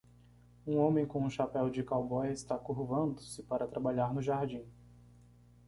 Um homem com um chapéu de cowboy está curvando-se para trabalhar no jardim.